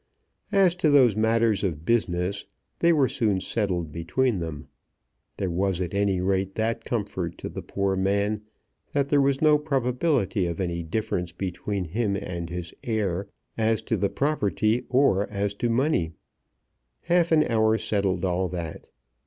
As to those matters of business, they were soon settled between them. There was, at any rate, that comfort to the poor man that there was no probability of any difference between him and his heir as to the property or as to money. Half an hour settled all that.